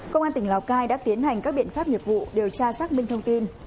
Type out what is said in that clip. công an tỉnh lào cai đã tiến hành các biện pháp nghiệp vụ điều tra xác minh thông tin